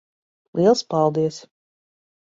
Liels paldies.